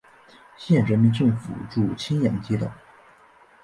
县人民政府驻青阳街道。